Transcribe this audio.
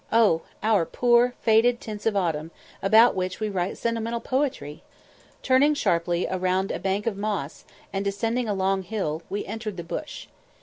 Oh! our poor faded tints of autumn, about which we write sentimental poetry! Turning sharply round a bank of moss, and descending a long hill, we entered the bush.